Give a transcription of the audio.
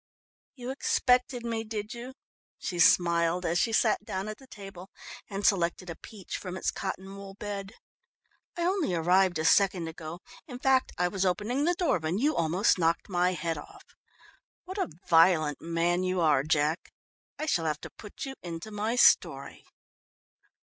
"You expected me, did you?" she smiled, as she sat down at the table and selected a peach from its cotton wool bed. "I only arrived a second ago, in fact I was opening the door when you almost knocked my head off. What a violent man you are, Jack! I shall have to put you into my story."